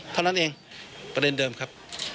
เท่านั้นเองประเด็นเดิมครับ